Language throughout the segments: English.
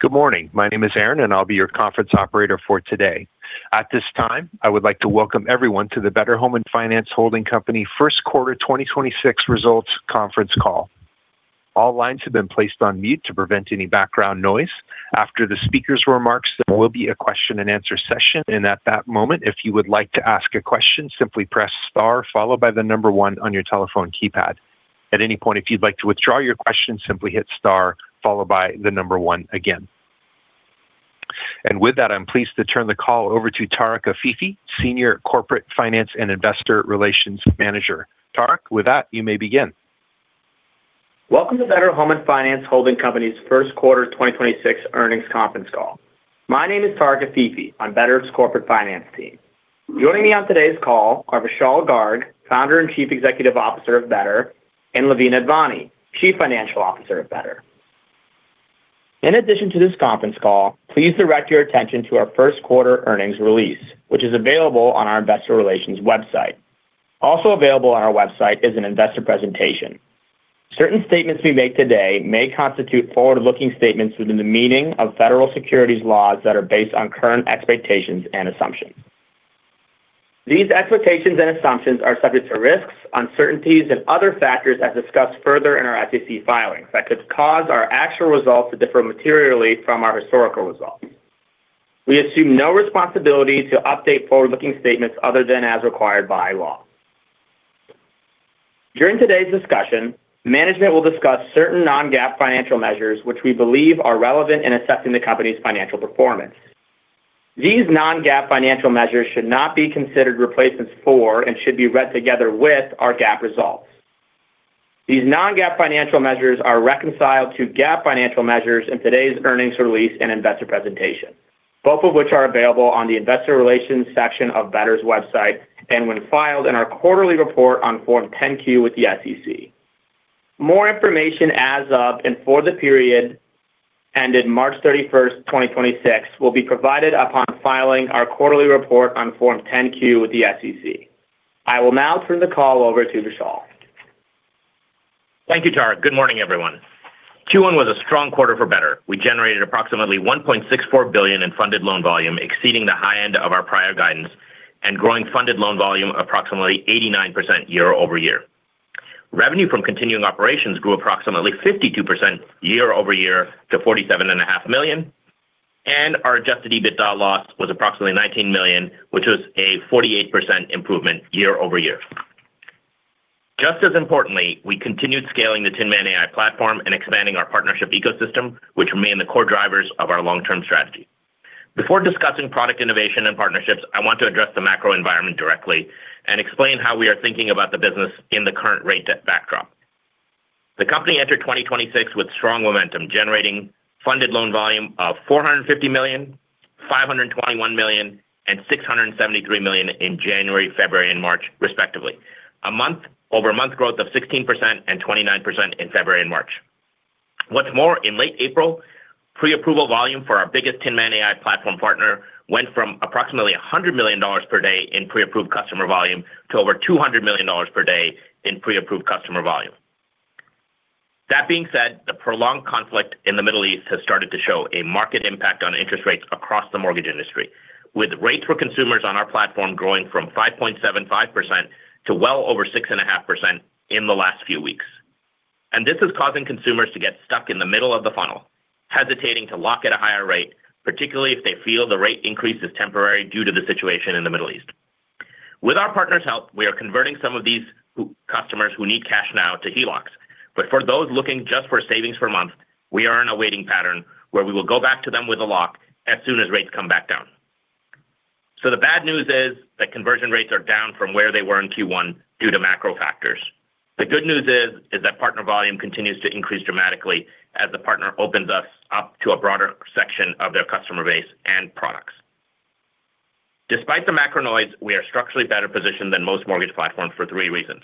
Good morning. My name is Aaron, and I'll be your conference operator for today. At this time, I would like to welcome everyone to the Better Home & Finance Holding Company first quarter 2026 results conference call. All lines have been placed on mute to prevent any background noise. After the speaker's remarks, there will be a question-and-answer session. At that moment, if you would like to ask a question, simply press star followed by the number one on your telephone keypad. At any point, if you'd like to withdraw your question, simply hit star followed by the number one again. With that, I'm pleased to turn the call over to Tarek Afifi, Senior Corporate Finance and Investor Relations Manager. Tarek, with that, you may begin. Welcome to Better Home & Finance Holding Company's first quarter 2026 earnings conference call. My name is Tarek Afifi on Better's corporate finance team. Joining me on today's call are Vishal Garg, Chief Executive Officer of Better, and Loveen Advani, Chief Financial Officer of Better. In addition to this conference call, please direct your attention to our 1st quarter earnings release, which is available on our investor relations website. Also available on our website is an investor presentation. Certain statements we make today may constitute forward-looking statements within the meaning of federal securities laws that are based on current expectations and assumptions. These expectations and assumptions are subject to risks, uncertainties and other factors, as discussed further in our SEC filings, that could cause our actual results to differ materially from our historical results. We assume no responsibility to update forward-looking statements other than as required by law. During today's discussion, management will discuss certain non-GAAP financial measures which we believe are relevant in assessing the company's financial performance. These non-GAAP financial measures should not be considered replacements for and should be read together with our GAAP results. These non-GAAP financial measures are reconciled to GAAP financial measures in today's earnings release and investor presentation, both of which are available on the investor relations section of Better's website and when filed in our quarterly report on Form 10-Q with the SEC. More information as of and for the period ended March 31st, 2026 will be provided upon filing our quarterly report on Form 10-Q with the SEC. I will now turn the call over to Vishal. Thank you, Tarek. Good morning, everyone. Q1 was a strong quarter for Better. We generated approximately $1.64 billion in funded loan volume, exceeding the high end of our prior guidance and growing funded loan volume approximately 89% year-over-year. Revenue from continuing operations grew approximately 52% year-over-year to $47.5 million. Our adjusted EBITDA loss was approximately $19 million, which was a 48% improvement year-over-year. Just as importantly, we continued scaling the Tinman AI platform and expanding our partnership ecosystem, which remain the core drivers of our long-term strategy. Before discussing product innovation and partnerships, I want to address the macro environment directly and explain how we are thinking about the business in the current rate debt backdrop. The company entered 2026 with strong momentum, generating funded loan volume of $450 million, $521 million, and $673 million in January, February and March respectively. Month-over-month growth of 16% and 29% in February and March. What's more, in late April, pre-approval volume for our biggest Tinman AI platform partner went from approximately $100 million per day in pre-approved customer volume to over $200 million per day in pre-approved customer volume. That being said, the prolonged conflict in the Middle East has started to show a market impact on interest rates across the mortgage industry, with rates for consumers on our platform growing from 5.75% to well over 6.5% in the last few weeks. This is causing consumers to get stuck in the middle of the funnel, hesitating to lock at a higher rate, particularly if they feel the rate increase is temporary due to the situation in the Middle East. With our partners' help, we are converting some of these customers who need cash now to HELOCs. For those looking just for savings per month, we are in a waiting pattern where we will go back to them with a lock as soon as rates come back down. The bad news is that conversion rates are down from where they were in Q1 due to macro factors. The good news is that partner volume continues to increase dramatically as the partner opens us up to a broader section of their customer base and products. Despite the macro noise, we are structurally better positioned than most mortgage platforms for three reasons.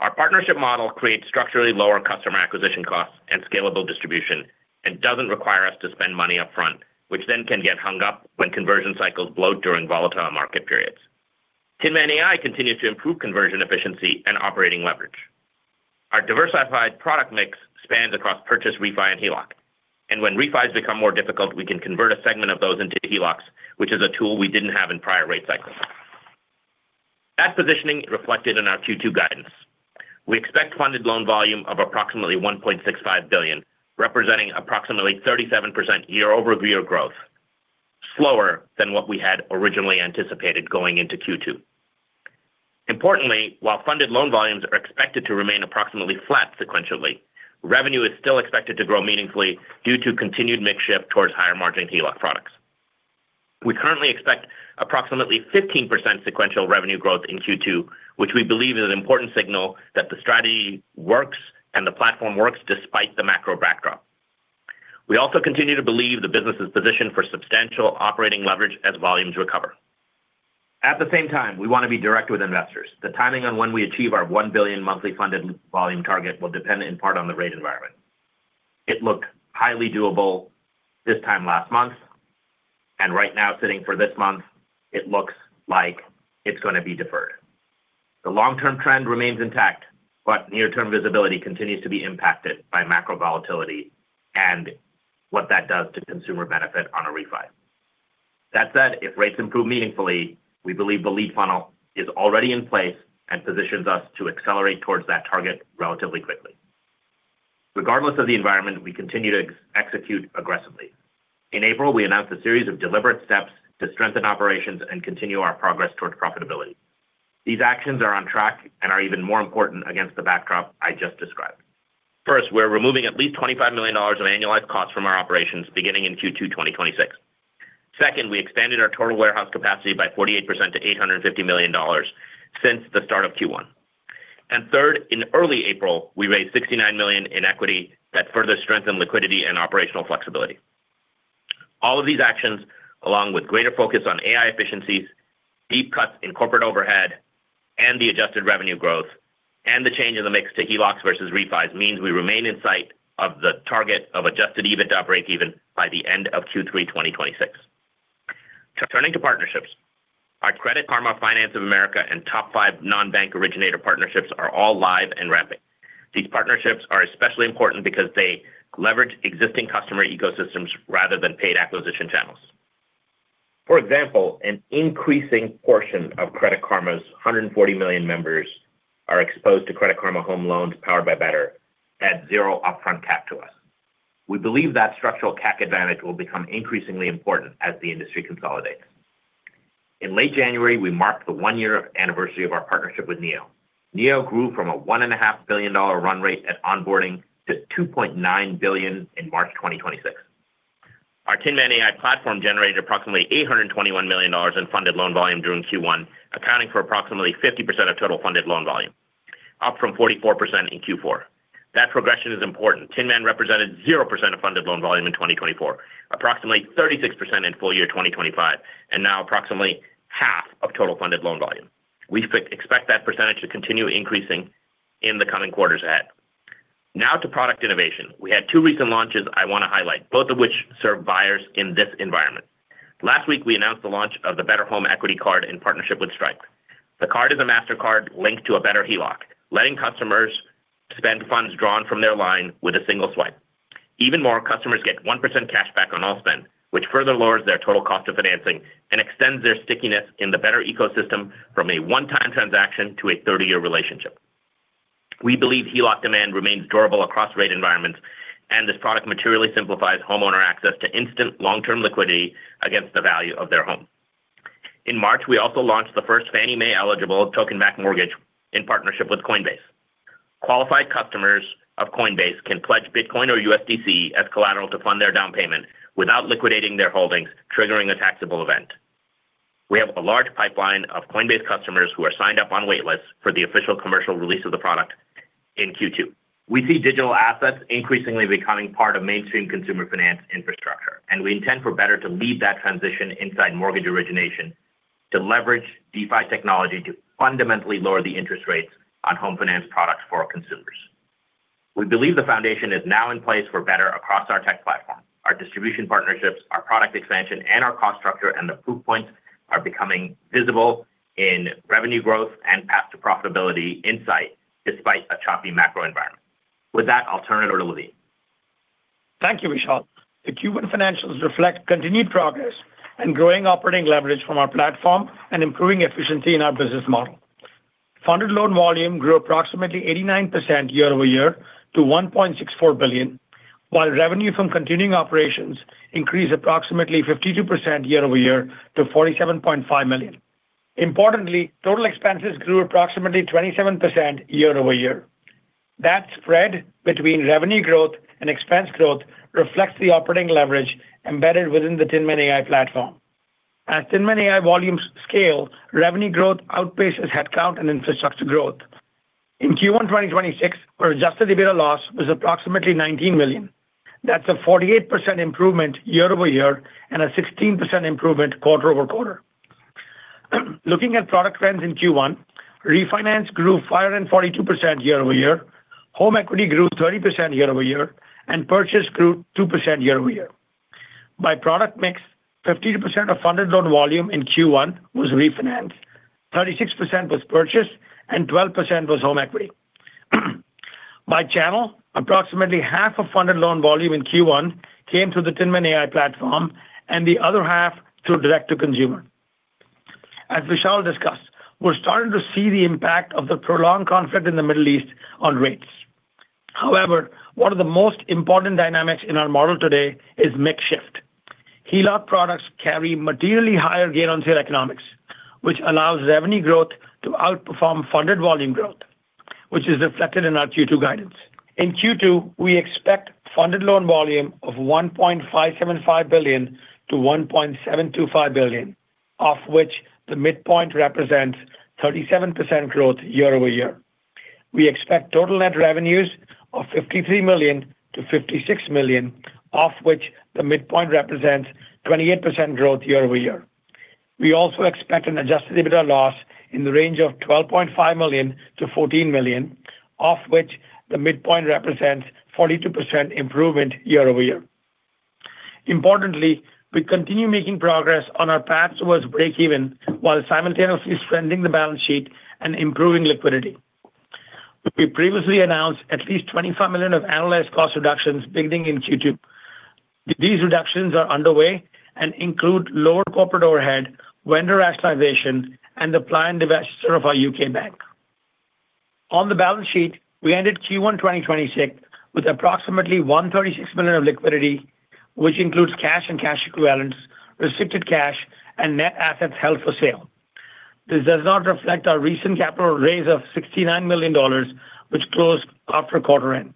Our partnership model creates structurally lower customer acquisition costs and scalable distribution and doesn't require us to spend money upfront, which then can get hung up when conversion cycles bloat during volatile market periods. Tinman AI continues to improve conversion efficiency and operating leverage. Our diversified product mix spans across purchase, refi, and HELOC. When refis become more difficult, we can convert a segment of those into HELOCs, which is a tool we didn't have in prior rate cycles. That positioning is reflected in our Q2 guidance. We expect funded loan volume of approximately $1.65 billion, representing approximately 37% year-over-year growth, slower than what we had originally anticipated going into Q2. Importantly, while funded loan volumes are expected to remain approximately flat sequentially, revenue is still expected to grow meaningfully due to continued mix shift towards higher margin HELOC products. We currently expect approximately 15% sequential revenue growth in Q2, which we believe is an important signal that the strategy works and the platform works despite the macro backdrop. We also continue to believe the business is positioned for substantial operating leverage as volumes recover. At the same time, we want to be direct with investors. The timing on when we achieve our $1 billion monthly funded volume target will depend in part on the rate environment. It looked highly doable this time last month. Right now sitting for this month, it looks like it's going to be deferred. The long-term trend remains intact, near-term visibility continues to be impacted by macro volatility and what that does to consumer benefit on a refi. That said, if rates improve meaningfully, we believe the lead funnel is already in place and positions us to accelerate towards that target relatively quickly. Regardless of the environment, we continue to execute aggressively. In April, we announced a series of deliberate steps to strengthen operations and continue our progress towards profitability. These actions are on track and are even more important against the backdrop I just described. First, we're removing at least $25 million of annualized costs from our operations beginning in Q2 2026. Second, we expanded our total warehouse capacity by 48% to $850 million since the start of Q1. Third, in early April, we raised $69 million in equity that further strengthened liquidity and operational flexibility. All of these actions, along with greater focus on AI efficiencies, deep cuts in corporate overhead, and the adjusted revenue growth, and the change in the mix to HELOCs versus refis means we remain in sight of the target of adjusted EBITDA breakeven by the end of Q3 2026. Turning to partnerships. Our Credit Karma, Finance of America, and top five non-bank originator partnerships are all live and ramping. These partnerships are especially important because they leverage existing customer ecosystems rather than paid acquisition channels. For example, an increasing portion of Credit Karma's 140 million members are exposed to Credit Karma Home Loans powered by Better at zero upfront CAC to us. We believe that structural CAC advantage will become increasingly important as the industry consolidates. In late January, we marked the one year of anniversary of our partnership with NEO. NEO grew from $1.5 billion run rate at onboarding to $2.9 billion in March 2026. Our Tinman AI Platform generated approximately $821 million in funded loan volume during Q1, accounting for approximately 50% of total funded loan volume, up from 44% in Q4. That progression is important. Tinman represented 0% of funded loan volume in 2024, approximately 36% in full year 2025, and now approximately half of total funded loan volume. We expect that percentage to continue increasing in the coming quarters ahead. Now to product innovation. We had two recent launches I want to highlight, both of which serve buyers in this environment. Last week, we announced the launch of the Better Home Equity Card in partnership with Stripe. The card is a Mastercard linked to a Better HELOC, letting customers spend funds drawn from their line with a single swipe. Even more customers get 1% cashback on all spend, which further lowers their total cost of financing and extends their stickiness in the Better ecosystem from a one-time transaction to a 30-year relationship. We believe HELOC demand remains durable across rate environments, and this product materially simplifies homeowner access to instant long-term liquidity against the value of their home. In March, we also launched the first Fannie Mae-eligible token-backed mortgage in partnership with Coinbase. Qualified customers of Coinbase can pledge Bitcoin or USDC as collateral to fund their down payment without liquidating their holdings, triggering a taxable event. We have a large pipeline of Coinbase customers who are signed up on waitlists for the official commercial release of the product in Q2. We see digital assets increasingly becoming part of mainstream consumer finance infrastructure, and we intend for Better to lead that transition inside mortgage origination to leverage DeFi technology to fundamentally lower the interest rates on home finance products for our consumers. We believe the foundation is now in place for Better across our tech platform. Our distribution partnerships, our product expansion, and our cost structure and the proof points are becoming visible in revenue growth and path to profitability insight despite a choppy macro environment. With that, I'll turn it over to Loveen. Thank you, Vishal. The Q1 financials reflect continued progress and growing operating leverage from our platform and improving efficiency in our business model. Funded loan volume grew approximately 89% year-over-year to $1.64 billion, while revenue from continuing operations increased approximately 52% year-over-year to $47.5 million. Importantly, total expenses grew approximately 27% year-over-year. That spread between revenue growth and expense growth reflects the operating leverage embedded within the Tinman AI platform. As Tinman AI volumes scale, revenue growth outpaces headcount and infrastructure growth. In Q1 2026, our adjusted EBITDA loss was approximately $19 million. That's a 48% improvement year-over-year and a 16% improvement quarter-over-quarter. Looking at product trends in Q1, refinance grew 542% year-over-year, home equity grew 30% year-over-year, and purchase grew 2% year-over-year. By product mix, 52% of funded loan volume in Q1 was refinanced, 36% was purchase, and 12% was home equity. By channel, approximately half of funded loan volume in Q1 came through the Tinman AI platform and the other half through direct to consumer. As Vishal discussed, we're starting to see the impact of the prolonged conflict in the Middle East on rates. One of the most important dynamics in our model today is mix shift. HELOC products carry materially higher gain on sale economics, which allows revenue growth to outperform funded volume growth, which is reflected in our Q2 guidance. In Q2, we expect funded loan volume of $1.575 billion-$1.725 billion, of which the midpoint represents 37% growth year-over-year. We expect total net revenues of $53 million-$56 million, of which the midpoint represents 28% growth year-over-year. We also expect an adjusted EBITDA loss in the range of $12.5 million-$14 million, of which the midpoint represents 42% improvement year-over-year. Importantly, we continue making progress on our path towards breakeven while simultaneously strengthening the balance sheet and improving liquidity. We previously announced at least $25 million of analyzed cost reductions beginning in Q2. These reductions are underway and include lower corporate overhead, vendor rationalization, and the planned divestiture of our U.K. bank. On the balance sheet, we ended Q1 2026 with approximately $136 million of liquidity, which includes cash and cash equivalents, restricted cash, and net assets held for sale. This does not reflect our recent capital raise of $69 million, which closed after quarter end.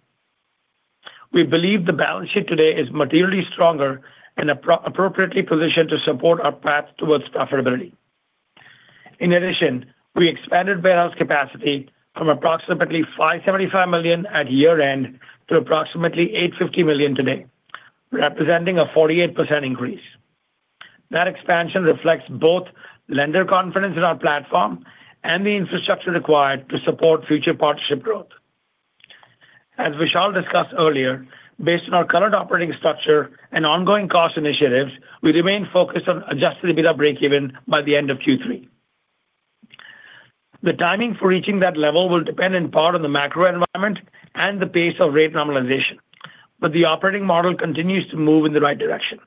We believe the balance sheet today is materially stronger and appropriately positioned to support our path towards profitability. In addition, we expanded balance capacity from approximately $575 million at year-end to approximately $850 million today, representing a 48% increase. That expansion reflects both lender confidence in our platform and the infrastructure required to support future partnership growth. As Vishal discussed earlier, based on our current operating structure and ongoing cost initiatives, we remain focused on adjusted EBITDA breakeven by the end of Q3. The timing for reaching that level will depend in part on the macro environment and the pace of rate normalization. The operating model continues to move in the right direction.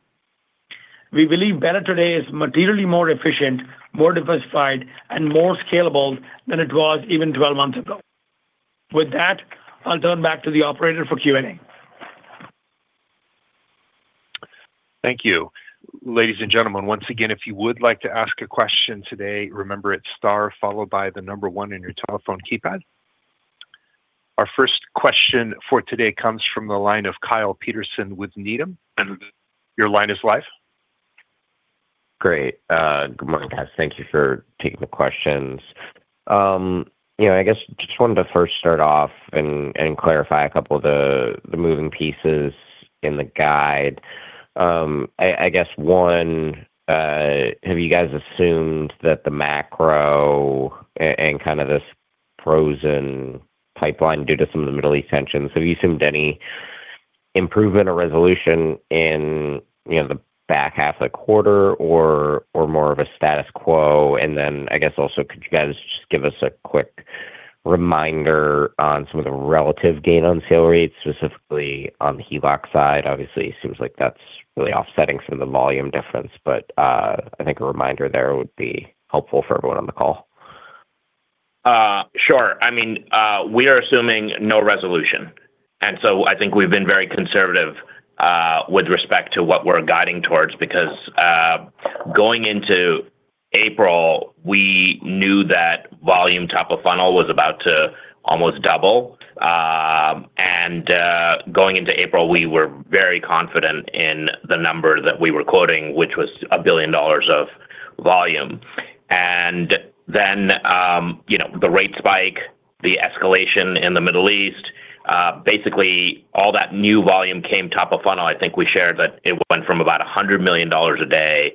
We believe Better today is materially more efficient, more diversified, and more scalable than it was even 12 months ago. With that, I'll turn back to the operator for Q&A. Thank you. Ladies and gentlemen, once again, if you would like to ask a question today, remember it's star followed by the number one in your telephone keypad. Our first question for today comes from the line of Kyle Peterson with Needham. Your line is live. Great. Good morning, guys. Thank you for taking the questions. You know, I guess just wanted to first start off and clarify a couple of the moving pieces in the guide. I guess one, have you guys assumed that the macro and kind of this frozen pipeline due to some of the Middle East tensions, have you assumed any improvement or resolution in, you know, the back half of the quarter or more of a status quo? Then I guess also, could you guys just give us a quick reminder on some of the relative gain on sale rates, specifically on the HELOC side? Obviously, it seems like that's really offsetting some of the volume difference, I think a reminder there would be helpful for everyone on the call. Sure. I mean, we are assuming no resolution. I think we've been very conservative with respect to what we're guiding towards, because going into April, we knew that volume top of funnel was about to almost double. Going into April, we were very confident in the number that we were quoting, which was a billion dollars of volume. You know, the rate spike, the escalation in the Middle East, basically all that new volume came top of funnel. I think we shared that it went from about $100 million a day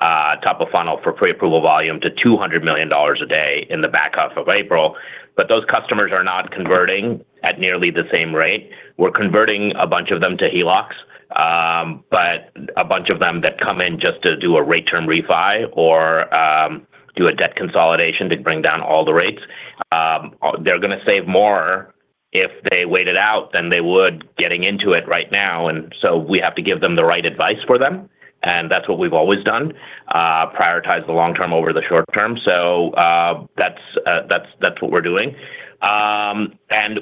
top of funnel for pre-approval volume to $200 million a day in the back half of April. Those customers are not converting at nearly the same rate. We're converting a bunch of them to HELOCs. A bunch of them that come in just to do a rate term refi or do a debt consolidation to bring down all the rates, they're gonna save more if they wait it out than they would getting into it right now. We have to give them the right advice for them, and that's what we've always done, prioritize the long term over the short term. That's what we're doing.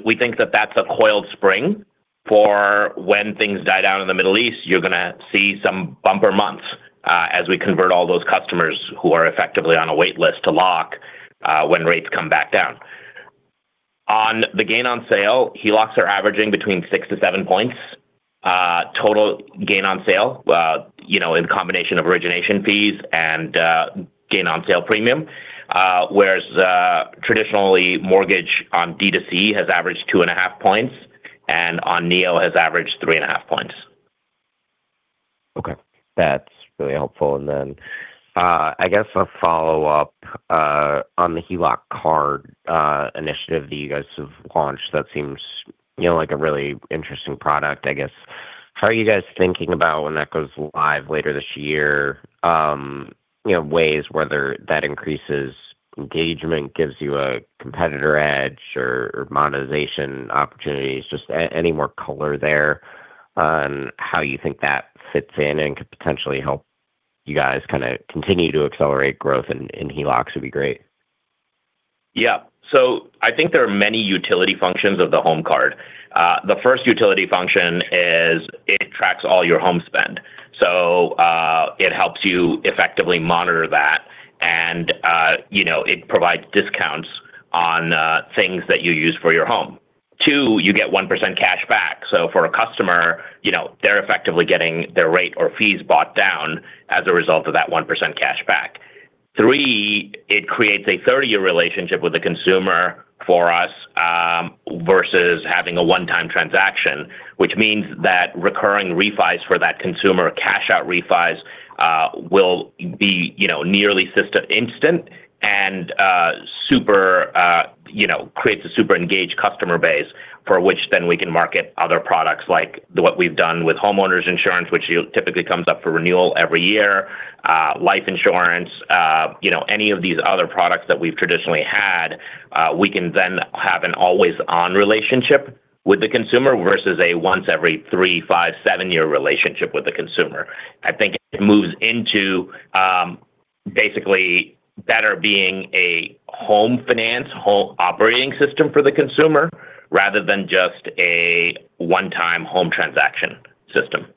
We think that that's a coiled spring for when things die down in the Middle East, you're gonna see some bumper months as we convert all those customers who are effectively on a wait list to lock when rates come back down. On the gain on sale, HELOCs are averaging between 6 points-7 points, total gain on sale, you know, in combination of origination fees and gain on sale premium. Traditionally, mortgage on D2C has averaged 2.5 points, and on NEO has averaged 3.5 points. Okay. That's really helpful. I guess a follow-up on the HELOC card initiative that you guys have launched, that seems, you know, like a really interesting product, I guess. How are you guys thinking about when that goes live later this year, you know, ways whether that increases engagement, gives you a competitor edge or monetization opportunities? Just any more color there on how you think that fits in and could potentially help you guys kinda continue to accelerate growth in HELOCs would be great. Yeah. I think there are many utility functions of the home card. The first utility function is it tracks all your home spend. It helps you effectively monitor that and, you know, it provides discounts on things that you use for your home. Two, you get 1% cashback. For a customer, you know, they're effectively getting their rate or fees bought down as a result of that 1% cashback. Three, it creates a 30-year relationship with the consumer for us. Versus having a one-time transaction, which means that recurring refis for that consumer, cash out refis, will be, you know, nearly instant and super, you know, creates a super engaged customer base for which then we can market other products like what we've done with homeowners insurance, which typically comes up for renewal every year, life insurance. You know, any of these other products that we've traditionally had, we can then have an always on relationship with the consumer versus a once every 3, 5, 7-year relationship with the consumer. I think it moves into, basically Better being a home finance, home operating system for the consumer rather than just a one-time home transaction system.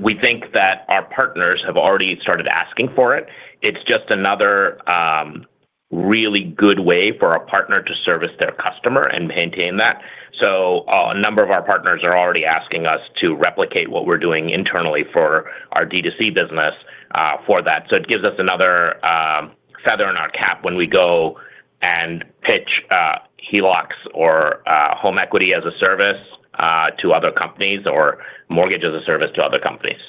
We think that our partners have already started asking for it. It's just another really good way for a partner to service their customer and maintain that. A number of our partners are already asking us to replicate what we're doing internally for our D2C business for that. It gives us another feather in our cap when we go and pitch HELOCs or home equity as a service to other companies, or mortgage as a service to other companies.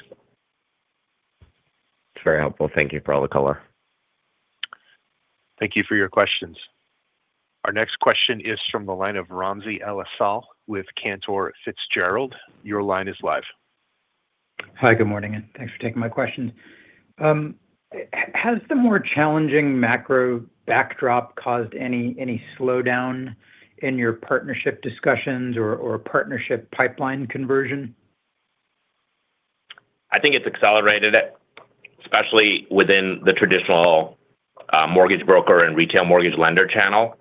It's very helpful. Thank you for all the color. Thank you for your questions. Our next question is from the line of Ramsey El-Assal with Cantor Fitzgerald. Your line is live. Hi, good morning, and thanks for taking my questions. Has the more challenging macro backdrop caused any slowdown in your partnership discussions or partnership pipeline conversion? I think it's accelerated it, especially within the traditional mortgage broker and retail mortgage lender channel.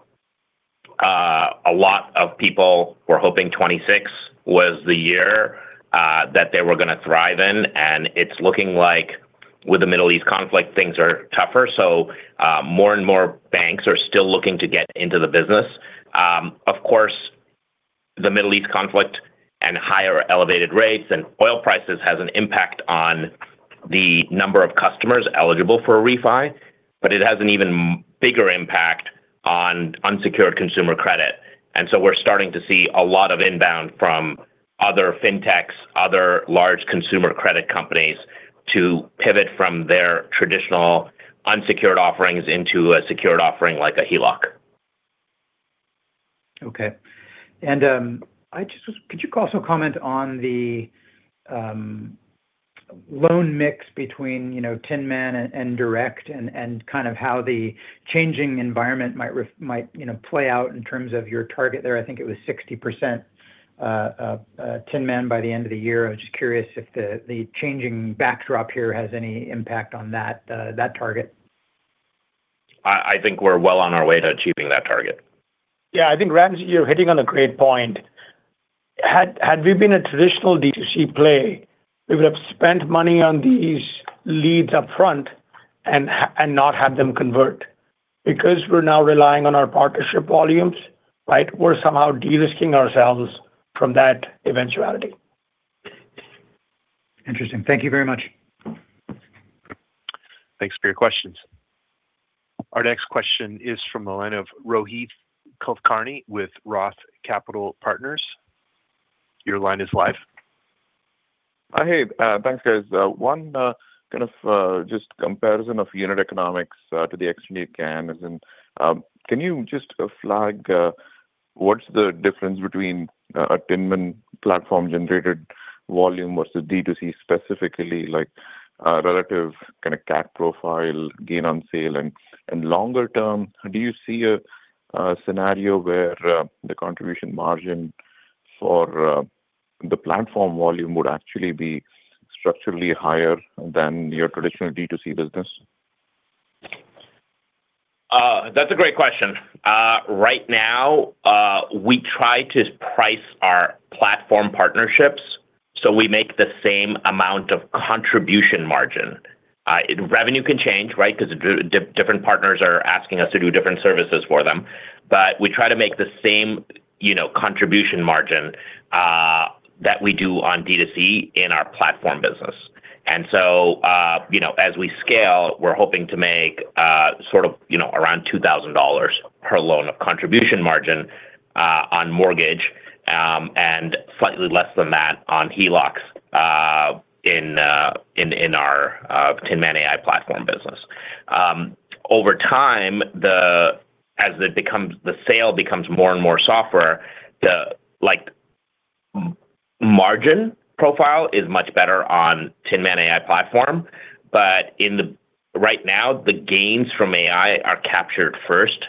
A lot of people were hoping 2026 was the year that they were gonna thrive in, it's looking like with the Middle East conflict, things are tougher. More and more banks are still looking to get into the business. Of course, the Middle East conflict and higher elevated rates and oil prices has an impact on the number of customers eligible for a refi, it has an even bigger impact on unsecured consumer credit. We're starting to see a lot of inbound from other fintechs, other large consumer credit companies to pivot from their traditional unsecured offerings into a secured offering like a HELOC. Okay. Could you also comment on the loan mix between, you know, Tinman and direct and kind of how the changing environment might, you know, play out in terms of your target there? I think it was 60% Tinman by the end of the year. I'm just curious if the changing backdrop here has any impact on that target. I think we're well on our way to achieving that target. Yeah. I think Ramsey, you're hitting on a great point. Had we been a traditional D2C play, we would have spent money on these leads up front and not have them convert. We're now relying on our partnership volumes, right? We're somehow de-risking ourselves from that eventuality. Interesting. Thank you very much. Thanks for your questions. Our next question is from the line of Rohit Kulkarni with Roth Capital Partners. Your line is live. Hey. Thanks, guys. One kind of just comparison of unit economics to the extent you can is in, can you just flag what's the difference between a Tinman platform-generated volume versus D2C specifically, relative kind of CAC profile gain on sale? Longer term, do you see a scenario where the contribution margin for the platform volume would actually be structurally higher than your traditional D2C business? That's a great question. Right now, we try to price our platform partnerships, so we make the same amount of contribution margin. Revenue can change, right? 'Cause different partners are asking us to do different services for them. We try to make the same, you know, contribution margin that we do on D2C in our platform business. You know, as we scale, we're hoping to make, sort of, you know, around $2,000 per loan of contribution margin on mortgage, and slightly less than that on HELOCs in our Tinman AI platform business. Over time, the sale becomes more and more software, the like, margin profile is much better on Tinman AI platform. Right now, the gains from AI are captured first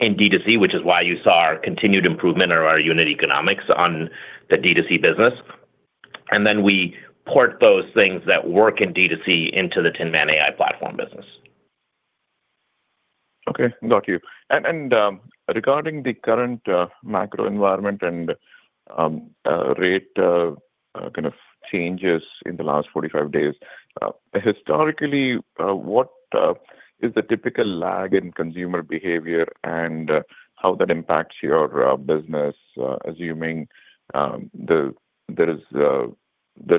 in D2C, which is why you saw our continued improvement or our unit economics on the D2C business. We port those things that work in D2C into the Tinman AI Platform business. Okay. Got you. Regarding the current macro environment and rate, kind of changes in the last 45 days, historically, what is the typical lag in consumer behavior and how that impacts your business, assuming there's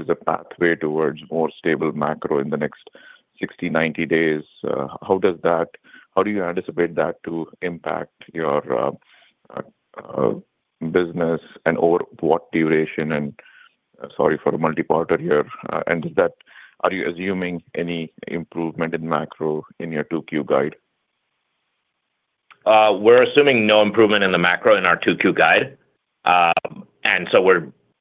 a pathway towards more stable macro in the next 60, 90 days. How do you anticipate that to impact your business and over what duration? Sorry for the multi-parter here. Are you assuming any improvement in macro in your 2Q guide? We're assuming no improvement in the macro in our 2Q guide.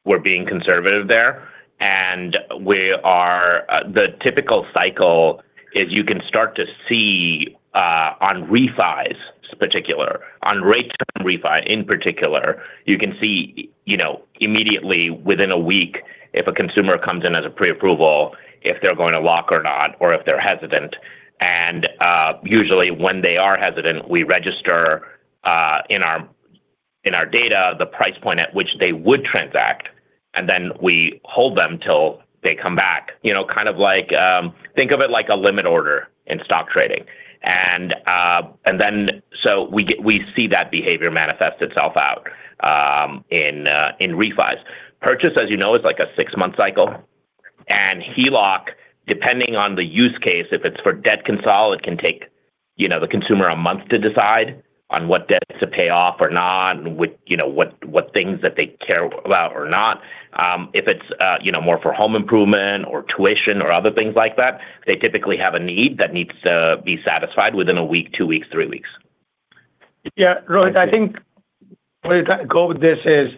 We're being conservative there. The typical cycle is you can start to see on refis particular. On rate term refi in particular, you can see, you know, immediately within a week if a consumer comes in as a pre-approval, if they're going to lock or not, or if they're hesitant. Usually when they are hesitant, we register in our data the price point at which they would transact, and then we hold them till they come back. You know, kind of like a limit order in stock trading. We see that behavior manifest itself out in refis. Purchase, as you know, is like a six-month cycle. HELOC, depending on the use case, if it's for debt consolid, can take, you know, the consumer a month to decide on what debt to pay off or not and which, you know, what things that they care about or not. If it's, you know, more for home improvement or tuition or other things like that, they typically have a need that needs to be satisfied within a week, two weeks, three weeks. Yeah. Rohit, I think where you're trying to go with this is,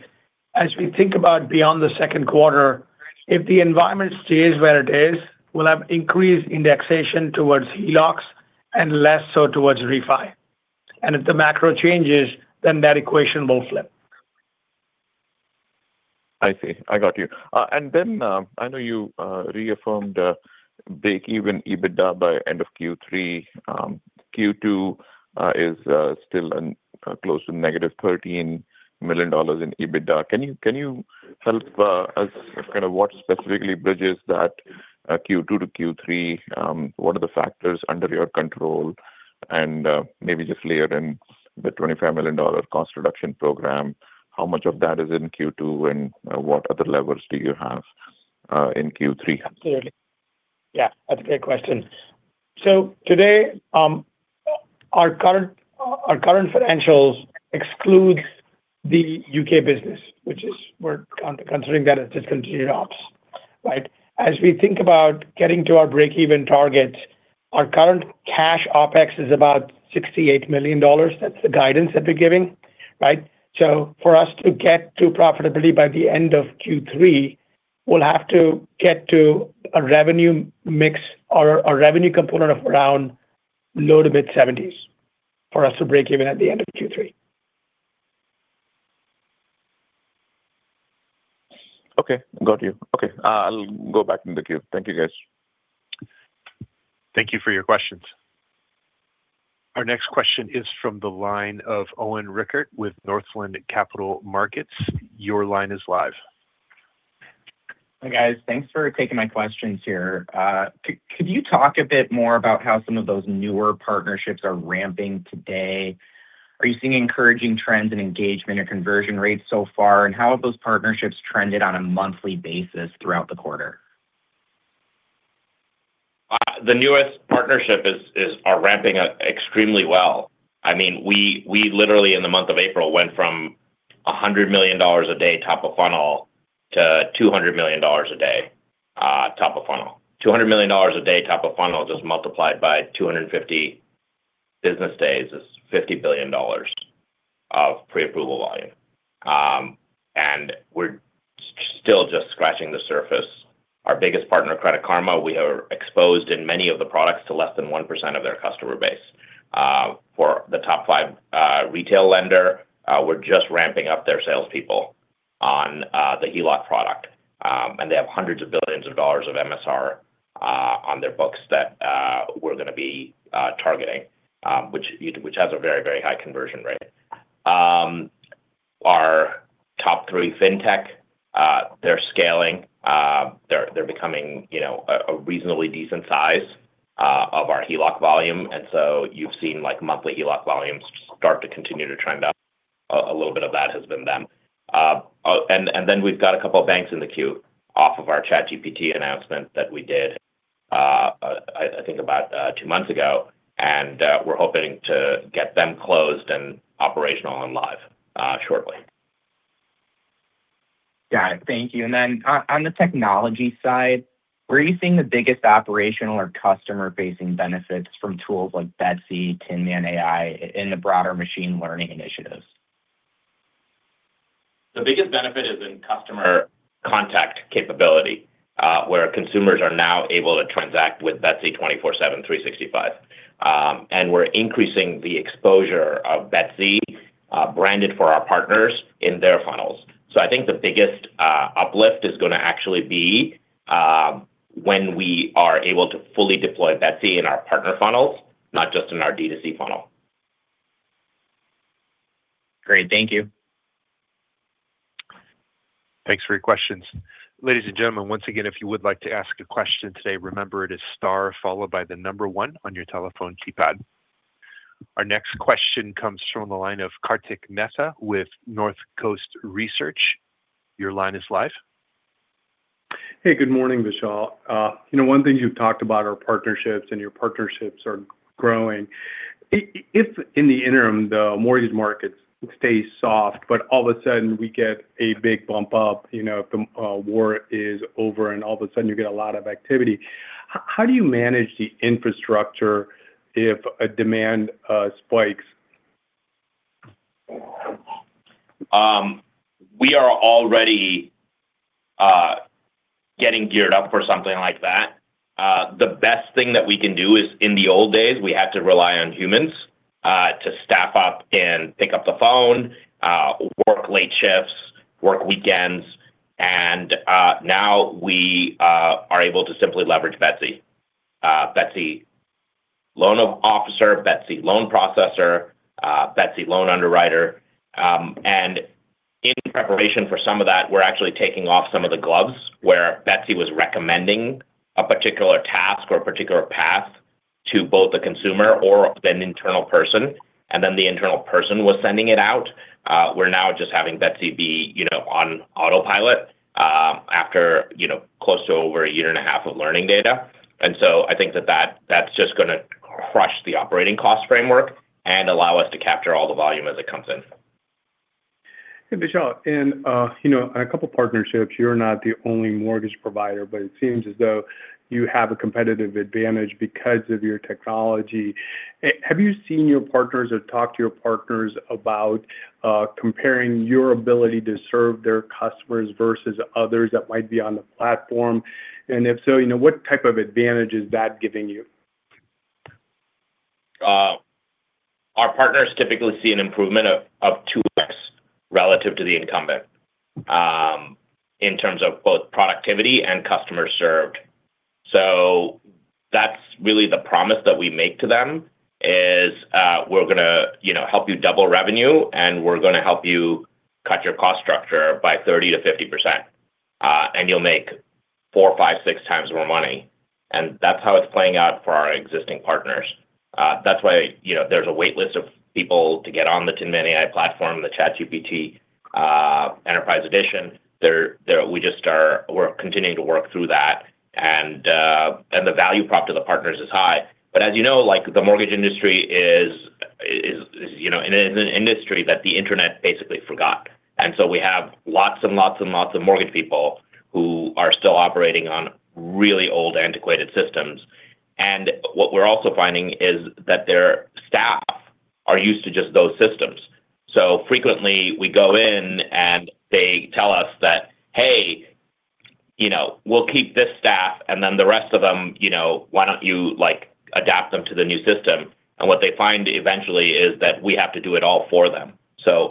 as we think about beyond the second quarter, if the environment stays where it is, we'll have increased indexation towards HELOCs and less so towards refi. If the macro changes, then that equation will flip. I see. I got you. I know you reaffirmed breakeven EBITDA by end of Q3. Q2 is still close to -$13 million in EBITDA. Can you help us kind of what specifically bridges that Q2 to Q3? What are the factors under your control? Maybe just layer in the $25 million cost reduction program. How much of that is in Q2, and what other levers do you have in Q3? Clearly. Yeah, that's a great question. Today, our current financials excludes the U.K. business, which is we're considering that as discontinued ops, right? As we think about getting to our breakeven target, our current cash OpEx is about $68 million. That's the guidance that we're giving, right? For us to get to profitability by the end of Q3, we'll have to get to a revenue mix or a revenue component of around low to mid 70s for us to breakeven at the end of Q3. Okay. Got you. Okay. I'll go back in the queue. Thank you, guys. Thank you for your questions. Our next question is from the line of Owen Rickert with Northland Capital Markets. Your line is live. Hi, guys. Thanks for taking my questions here. Could you talk a bit more about how some of those newer partnerships are ramping today? Are you seeing encouraging trends in engagement or conversion rates so far? How have those partnerships trended on a monthly basis throughout the quarter? The newest partnership are ramping up extremely well. I mean, we literally in the month of April went from $100 million a day top of funnel to $200 million a day top of funnel. $200 million a day top of funnel just multiplied by 250 business days is $50 billion of pre-approval volume. We're still just scratching the surface. Our biggest partner, Credit Karma, we are exposed in many of the products to less than 1% of their customer base. For the top five retail lender, we're just ramping up their salespeople on the HELOC product. They have $hundreds of billions of MSR on their books that we're gonna be targeting, which has a very, very high conversion rate. Our top three fintech, they're scaling. They're becoming, you know, a reasonably decent size of our HELOC volume. You've seen like monthly HELOC volumes start to continue to trend up. A little bit of that has been them. Then we've got a couple of banks in the queue off of our ChatGPT announcement that we did, I think about two months ago. We're hoping to get them closed and operational and live shortly. Got it. Thank you. On the technology side, where are you seeing the biggest operational or customer-facing benefits from tools like Betsy, Tinman AI, and the broader machine learning initiatives? The biggest benefit is in customer contact capability, where consumers are now able to transact with Betsy 24/7, 365. And we're increasing the exposure of Betsy, branded for our partners in their funnels. I think the biggest uplift is going to actually be, when we are able to fully deploy Betsy in our partner funnels, not just in our D2C funnel. Great. Thank you. Thanks for your questions. Ladies and gentlemen, once again, if you would like to ask a question today, remember it is star followed by the number one on your telephone keypad. Our next question comes from the line of Kartik Mehta with Northcoast Research. Your line is live. Hey, good morning, Vishal. You know, one thing you've talked about are partnerships, and your partnerships are growing. If in the interim the mortgage markets stay soft, but all of a sudden we get a big bump up, you know, if the war is over and all of a sudden you get a lot of activity, how do you manage the infrastructure if a demand spikes? We are already getting geared up for something like that. The best thing that we can do is in the old days, we had to rely on humans to staff up and pick up the phone, work late shifts, work weekends, and now we are able to simply leverage Betsy. Betsy loan officer, Betsy loan processor, Betsy loan underwriter. In preparation for some of that, we're actually taking off some of the gloves where Betsy was recommending a particular task or a particular path to both the consumer or an internal person, and then the internal person was sending it out. We're now just having Betsy be, you know, on autopilot, after, you know, close to over a year and a half of learning data. I think that's just gonna crush the operating cost framework and allow us to capture all the volume as it comes in. Hey, Vishal. You know, in a couple partnerships, you're not the only mortgage provider, but it seems as though you have a competitive advantage because of your technology. Have you seen your partners or talked to your partners about comparing your ability to serve their customers versus others that might be on the platform? If so, you know, what type of advantage is that giving you? Our partners typically see an improvement of 2x relative to the incumbent, in terms of both productivity and customer served. That's really the promise that we make to them, is, we're gonna, you know, help you double revenue, and we're gonna help you cut your cost structure by 30%-50%. You'll make 4, 5, 6 times more money, and that's how it's playing out for our existing partners. That's why, you know, there's a wait list of people to get on the Tinman AI platform, the ChatGPT Enterprise edition. We're continuing to work through that and the value prop to the partners is high. As you know, like, the mortgage industry is, you know, an industry that the internet basically forgot. We have lots and lots and lots of mortgage people who are still operating on really old antiquated systems. What we're also finding is that their staff are used to just those systems. Frequently we go in, and they tell us that, "Hey, you know, we'll keep this staff, and then the rest of them, you know, why don't you, like, adapt them to the new system?" What they find eventually is that we have to do it all for them.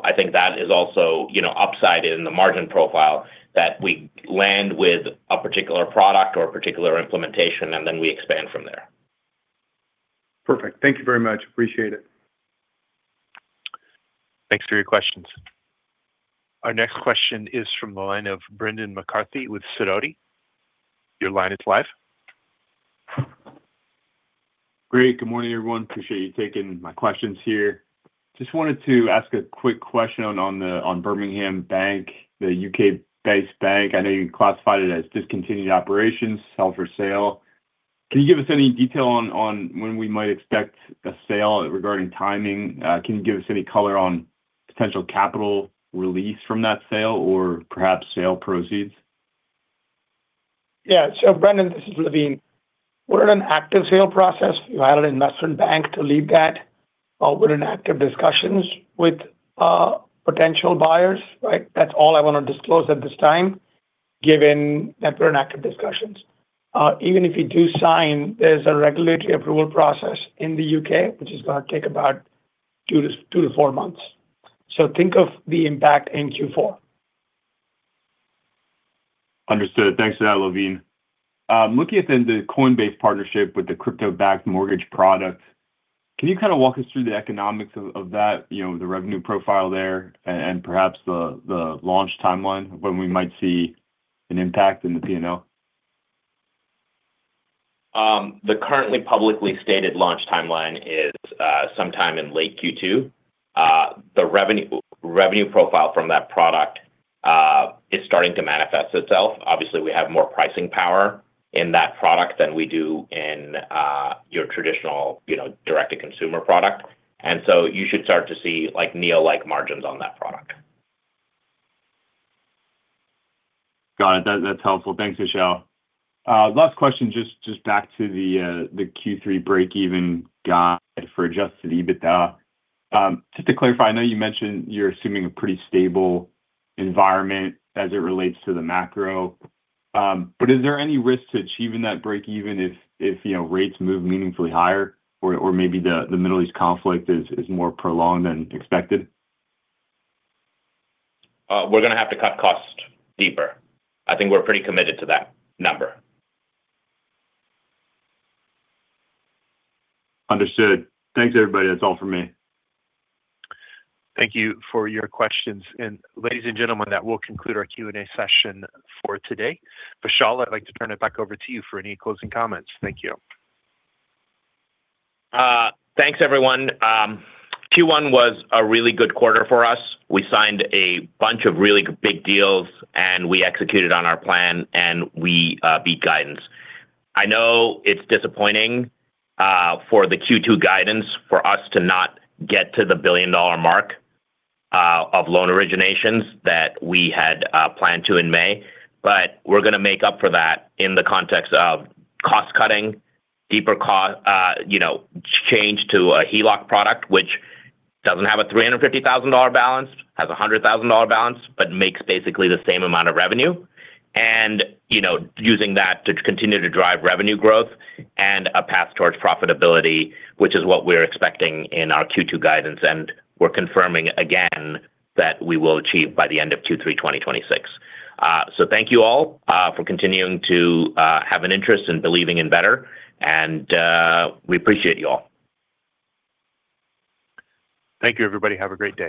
I think that is also, you know, upside in the margin profile that we land with a particular product or a particular implementation, and then we expand from there. Perfect. Thank you very much. Appreciate it. Thanks for your questions. Our next question is from the line of Brendan McCarthy with Sidoti. Your line is live. Great. Good morning, everyone. Appreciate you taking my questions here. Just wanted to ask a quick question on the Birmingham Bank, the U.K.-based bank. I know you classified it as discontinued operations, held for sale. Can you give us any detail on when we might expect a sale regarding timing? Can you give us any color on potential capital release from that sale or perhaps sale proceeds? Brendan, this is Loveen. We're in an active sale process. We've had an investment bank to lead that. We're in active discussions with potential buyers, right? That's all I wanna disclose at this time, given that we're in active discussions. Even if we do sign, there's a regulatory approval process in the U.K., which is gonna take about 2-4 months. Think of the impact in Q4. Understood. Thanks for that, Loveen. Looking at the Coinbase partnership with the crypto-backed mortgage product, can you kinda walk us through the economics of that, you know, the revenue profile there and perhaps the launch timeline when we might see an impact in the P&L? The currently publicly stated launch timeline is sometime in late Q2. The revenue profile from that product is starting to manifest itself. Obviously, we have more pricing power in that product than we do in your traditional, you know, direct-to-consumer product. You should start to see like NEO-like margins on that product. Got it. That's helpful. Thanks, Vishal. Last question, just back to the Q3 break-even guide for adjusted EBITDA. Just to clarify, I know you mentioned you're assuming a pretty stable environment as it relates to the macro. Is there any risk to achieving that break even if, you know, rates move meaningfully higher or maybe the Middle East conflict is more prolonged than expected? we're gonna have to cut costs deeper. I think we're pretty committed to that number. Understood. Thanks, everybody. That's all for me. Thank you for your questions. Ladies and gentlemen, that will conclude our Q&A session for today. Vishal, I'd like to turn it back over to you for any closing comments. Thank you. Thanks, everyone. Q1 was a really good quarter for us. We signed a bunch of really big deals, we executed on our plan, and we beat guidance. I know it's disappointing for the Q2 guidance for us to not get to the billion-dollar mark of loan originations that we had planned to in May. We're gonna make up for that in the context of cost-cutting, change to a HELOC product, which doesn't have a $350,000 balance, has a $100,000 balance, but makes basically the same amount of revenue. Using that to continue to drive revenue growth and a path towards profitability, which is what we're expecting in our Q2 guidance. We're confirming again that we will achieve by the end of Q3 2026. Thank you all, for continuing to have an interest in believing in Better. We appreciate you all. Thank you, everybody. Have a great day.